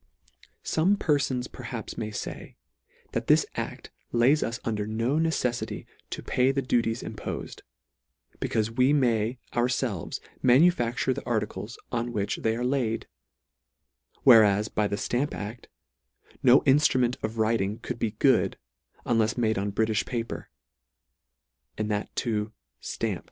Some perfons perhaps may fay, that this act lays us under no necefftty to pay the du ties impofed, becaufe we may ourfelves ma nufacture the articles on which they are laid : whereas by the Stamp act no inftru ment of writing could be good, unlefs made on Britifh paper, and that too ftampt.